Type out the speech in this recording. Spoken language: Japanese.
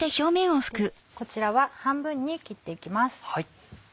こちらは半分に切っていきます。